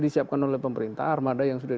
disiapkan oleh pemerintah armada yang sudah